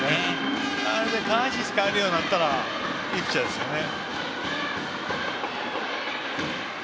下半身を使えるようになったらいいピッチャーですね。